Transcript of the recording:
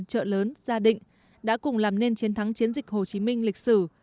chợ lớn gia định đã cùng làm nên chiến thắng chiến dịch hồ chí minh lịch sử